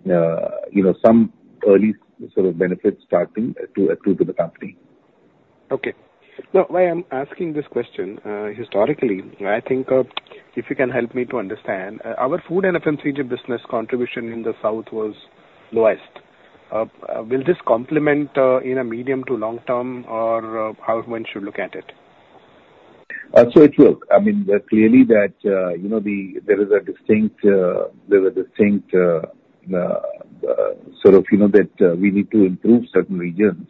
you know, some early sort of benefits starting to accrue to the company. Okay. Now, why I'm asking this question, historically, I think, if you can help me to understand, our food and FMCG business contribution in the south was lowest. Will this complement, in a medium to long term, or, how one should look at it? So it will. I mean, clearly that, you know, the, there is a distinct, sort of, you know, that, we need to improve certain regions,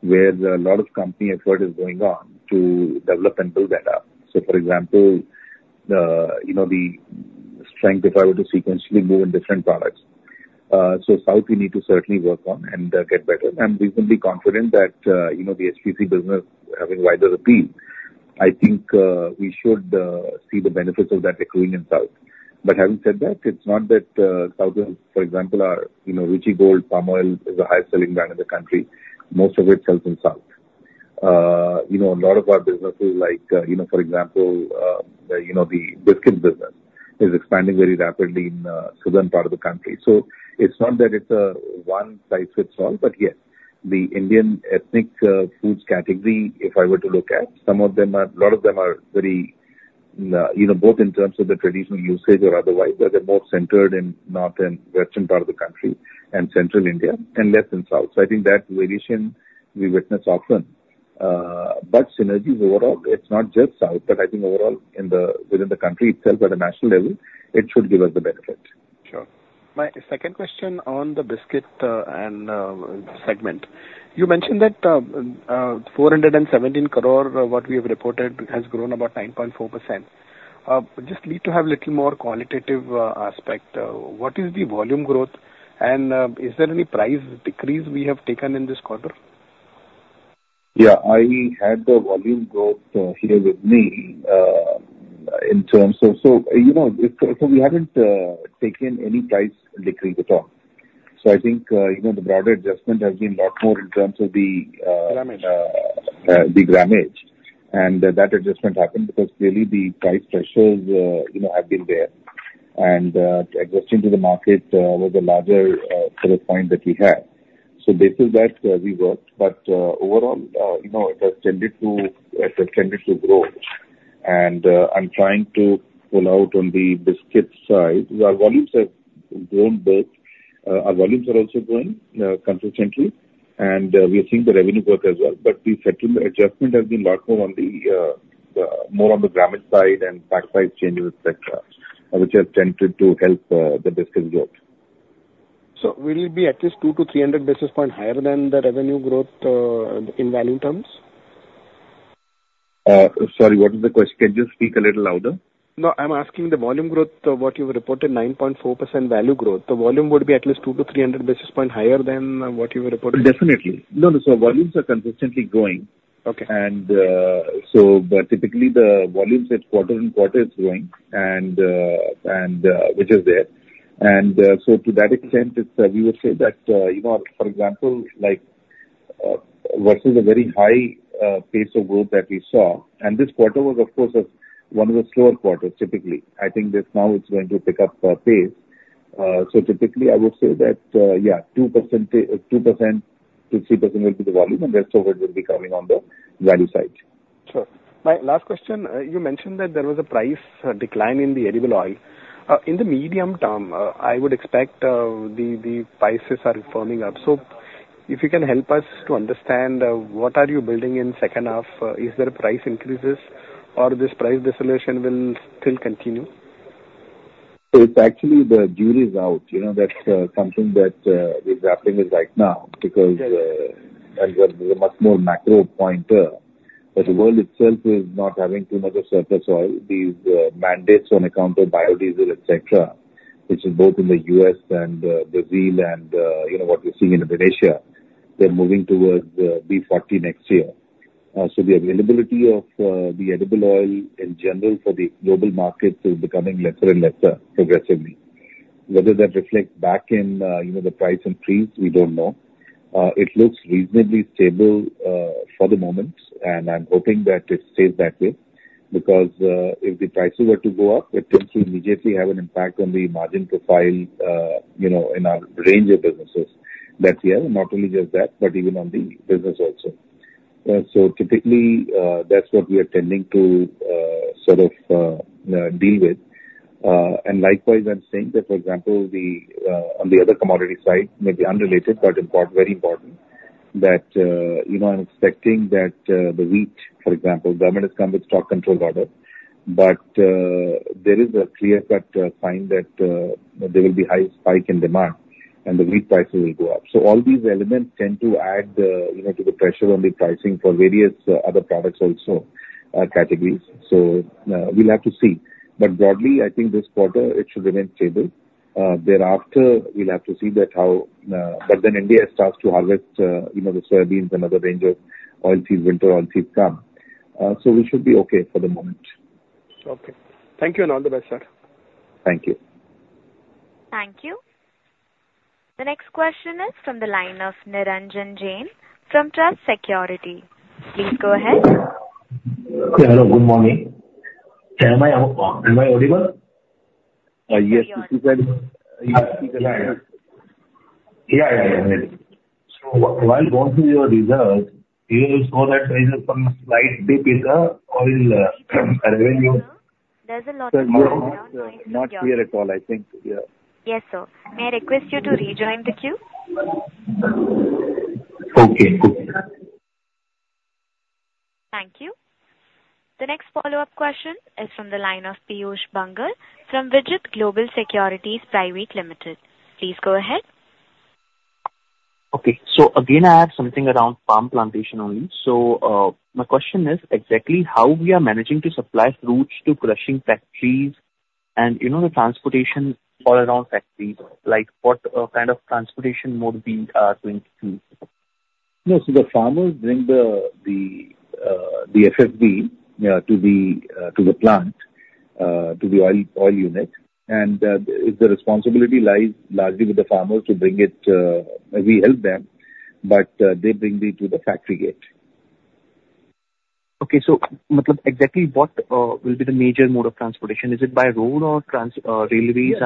where there are a lot of company effort is going on to develop and build that up. So for example, you know, the strength, if I were to sequentially move in different products. So South, we need to certainly work on and, get better. I'm reasonably confident that, you know, the HPC business having wider appeal, I think, we should, see the benefits of that accruing in South. But having said that, it's not that, South, for example, our Ruchi Gold palm oil is the highest selling brand in the country. Most of it sells in South. You know, a lot of our businesses, like, you know, for example, you know, the biscuit business is expanding very rapidly in southern part of the country. So it's not that it's a one-size-fits-all, but yes, the Indian ethnic foods category, if I were to look at, a lot of them are very, you know, both in terms of the traditional usage or otherwise, but they're more centered in north and western part of the country and central India and less in south. So I think that variation we witness often. But synergies overall, it's not just south, but I think overall, within the country itself, at a national level, it should give us the benefit. Sure. My second question on the biscuits and segment. You mentioned that 417 crore, what we have reported, has grown about 9.4%. Just need to have a little more quantitative aspect. What is the volume growth, and is there any price decrease we have taken in this quarter? Yeah, I had the volume growth here with me in terms of— So, you know, we haven't taken any price decrease at all. So I think, you know, the broader adjustment has been a lot more in terms of the Grammage. The grammage, and that adjustment happened because clearly the price pressures, you know, have been there. Adjusting to the market was a larger, sort of, point that we had. So based on that, we worked, but, overall, you know, it has tended to, it has tended to grow. I'm trying to roll out on the biscuit side. Our volumes have grown both. Our volumes are also growing, consistently, and, we are seeing the revenue growth as well. But the second adjustment has been a lot more on the, more on the grammage side and pack size changes, et cetera, which has tended to help, the biscuits growth. Will it be at least 200 basis points-300 basis points higher than the revenue growth, in value terms? Sorry, what was the question? Can you speak a little louder? No, I'm asking the volume growth, what you reported, 9.4% value growth, the volume would be at least 200 basis points-300 basis points higher than what you reported? Definitely. No, no, so volumes are consistently growing. Okay. So but typically, the volumes each quarter and quarter is growing and, which is there. So to that extent, it's we would say that you know, for example, like, versus a very high pace of growth that we saw, and this quarter was of course one of the slower quarters, typically. I think this now it's going to pick up pace. So typically, I would say that yeah, 2%-3% will be the volume, and rest of it will be coming on the value side. Sure. My last question, you mentioned that there was a price decline in the edible oil. In the medium term, I would expect the prices are firming up. So if you can help us to understand what are you building in second half? Is there price increases or this price dissolution will still continue? So it's actually the duty is out. You know, that's something that is happening right now because, and there's a much more macro point, that the world itself is not having too much of surplus oil. These mandates on account of biodiesel, et cetera, which is both in the U.S. and, Brazil and, you know, what we're seeing in Indonesia, they're moving towards B40 next year. So the availability of the edible oil in general for the global markets is becoming lesser and lesser progressively. Whether that reflects back in, you know, the price increase, we don't know. It looks reasonably stable for the moment, and I'm hoping that it stays that way, because if the prices were to go up, it tends to immediately have an impact on the margin profile, you know, in our range of businesses that's here. Not only just that, but even on the business also. So typically, that's what we are tending to sort of deal with. And likewise, I'm saying that, for example, on the other commodity side, maybe unrelated, but important, very important, that you know, I'm expecting that the wheat, for example, government has come with stock control order, but there is a clear-cut sign that there will be high spike in demand, and the wheat prices will go up. So all these elements tend to add, you know, to the pressure on the pricing for various other products also, categories. So, we'll have to see. But broadly, I think this quarter it should remain stable. Thereafter, we'll have to see that how... But then India starts to harvest, you know, the soybeans and other range of oil seeds, winter oil seeds come. So we should be okay for the moment. Okay. Thank you, and all the best, sir. Thank you. Thank you. The next question is from the line of Niranjan Jain from Trust Securities. Please go ahead. Hello, good morning. Am I, am I audible? Yes, you are. You are. Yeah. Yeah, yeah, yeah. So while going through your results, you will show that there is some slight dip in the oil revenue. There's a lot of- Not clear at all, I think, yeah. Yes, sir. May I request you to rejoin the queue? Okay, cool. Thank you. The next follow-up question is from the line of Piyush Bangar from Vijit Global Securities Private Limited. Please go ahead. Okay. So again, I have something around palm plantation only. So, my question is, exactly how we are managing to supply fruits to crushing factories, and, you know, the transportation all around factories, like, what kind of transportation mode we are going to use? No, so the farmers bring the FFB to the plant to the oil unit, and the responsibility lies largely with the farmers to bring it. We help them, but they bring it to the factory gate. Okay, so exactly what will be the major mode of transportation? Is it by road or trains, railways?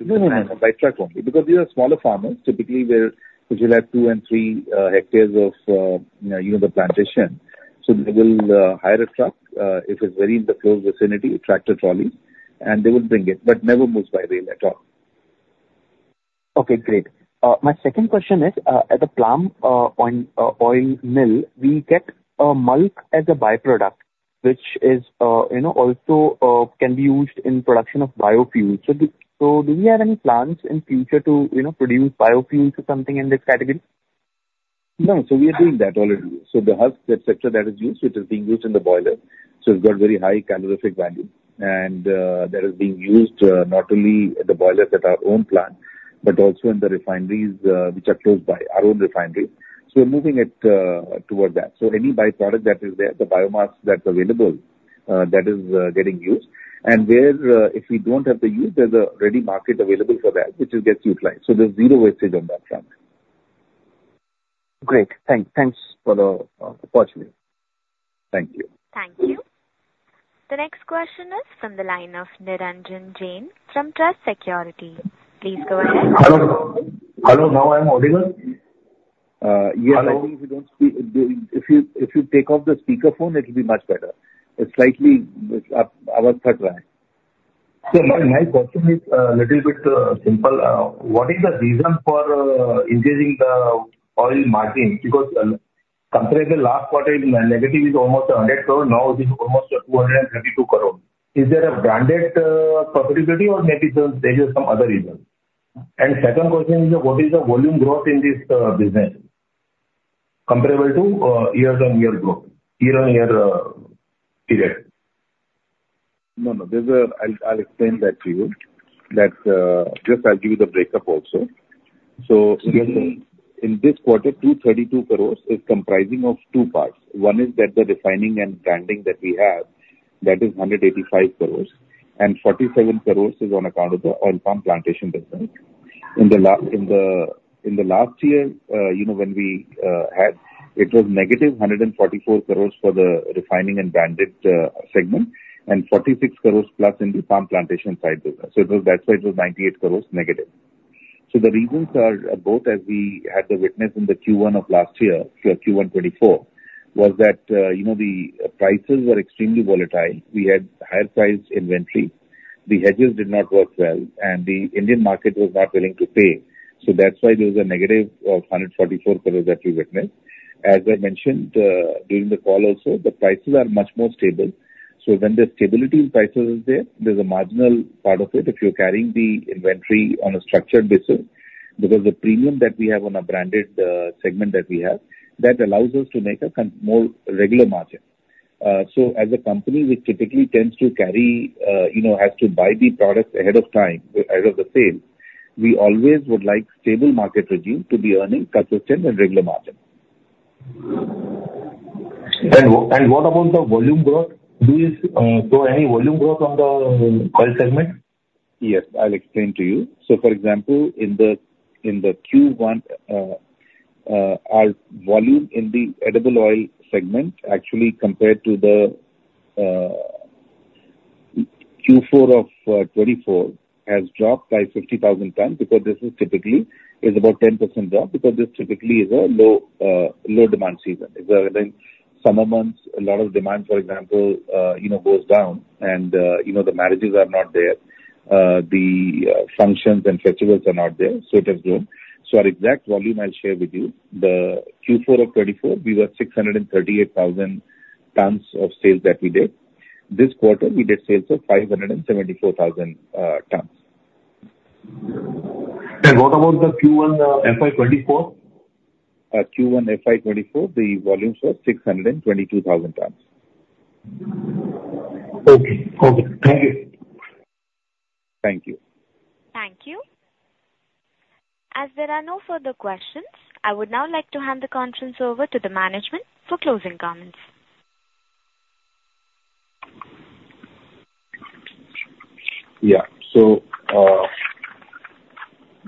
No, no, no. By truck only. Because these are smaller farmers, typically, they're, which will have 2 ha and 3 ha of, you know, the plantation. So they will hire a truck, if it's very in the close vicinity, a tractor trolley, and they would bring it, but never moves by rail at all. Okay, great. My second question is, at the palm oil mill, we get mulch as a by-product. Which is, you know, also, can be used in production of biofuels. So do we have any plans in future to, you know, produce biofuels or something in this category? No. So we are doing that already. So the husk, et cetera, that is used, it is being used in the boiler, so it's got very high calorific value. And, that is being used, not only at the boilers at our own plant, but also in the refineries, which are close by our own refinery. So we're moving it, toward that. So any byproduct that is there, the biomass that's available, that is, getting used, and where, if we don't have the use, there's a ready market available for that, which will get utilized. So there's zero wastage on that front. Great! Thanks for the opportunity. Thank you. Thank you. The next question is from the line of Niranjan Jain from Trust Securities. Please go ahead. Hello. Hello, now I'm audible? Uh, yes- Hello. I think if you don't speak, if you take off the speaker phone, it'll be much better. It's slightly, echo So my question is a little bit simple. What is the reason for increasing the oil margin? Because compared to last quarter, negative is almost 100 crore. Now it is almost 232 crore. Is there a branded profitability or maybe there is some other reason? And second question is, what is the volume growth in this business comparable to year-on-year growth, year-on-year period? No, no, there's a. I'll explain that to you. That, just I'll give you the breakup also. So in this, in this quarter, 232 crore is comprising of two parts. One is that the refining and branding that we have, that is 185 crore, and 47 crore is on account of the oil palm plantation business. In the last year, you know, when we had, it was -144 crore for the refining and branded segment, and 46+ crore in the palm plantation side business. So it was, that's why it was -98 crore. So the reasons are both, as we had to witness in the Q1 of last year, so Q1 2024, was that, you know, the prices were extremely volatile. We had higher priced inventory, the hedges did not work well, and the Indian market was not willing to pay. So that's why there was a -144 crore that we witnessed. As I mentioned, during the call also, the prices are much more stable. So when the stability in prices is there, there's a marginal part of it if you're carrying the inventory on a structured basis, because the premium that we have on a branded segment that we have, that allows us to make a con- more regular margin. So as a company, we typically tends to carry, you know, has to buy the products ahead of time, ahead of the sale. We always would like stable market regime to be earning consistent and regular margin. What about the volume growth? Do you, so any volume growth on the oil segment? Yes, I'll explain to you. So for example, in the Q1, our volume in the edible oil segment actually compared to the Q4 of 2024, has dropped by 50,000 tons, because this is typically, is about 10% drop, because this typically is a low, low demand season. Then summer months, a lot of demand, for example, you know, goes down and, you know, the marriages are not there. The functions and festivals are not there, so it has grown. So our exact volume, I'll share with you. The Q4 of 2024, we were 638,000 tons of sales that we did. This quarter, we did sales of 574,000 tons. What about the Q1, FY 2024? Q1 FY 2024, the volumes were 622,000 tons. Okay. Okay. Thank you. Thank you. Thank you. As there are no further questions, I would now like to hand the conference over to the management for closing comments. Yeah.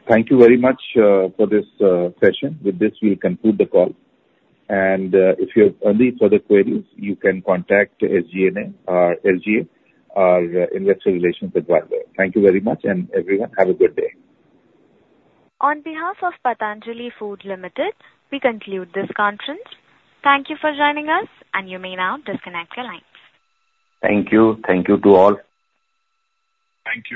Thank you very much for this session. With this, we'll conclude the call, and if you have any further queries, you can contact SGNA or SGA, our investor relations advisor. Thank you very much, and everyone, have a good day. On behalf of Patanjali Foods Limited, we conclude this conference. Thank you for joining us, and you may now disconnect your lines. Thank you. Thank you to all. Thank you.